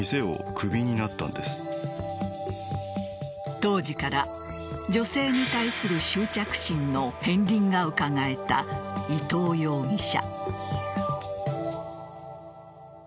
当時から、女性に対する執着心の片りんがうかがえた伊藤容疑者。